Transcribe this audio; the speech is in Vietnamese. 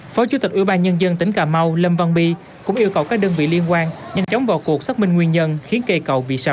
phó chủ tịch ủy ban nhân dân tỉnh cà mau lâm văn bi cũng yêu cầu các đơn vị liên quan nhanh chóng vào cuộc xác minh nguyên nhân khiến cây cầu bị sập